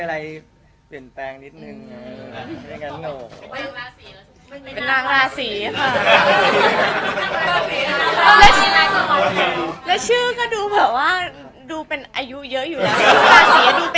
และบันนี้ผมเชื่อว่าคุณพ่อ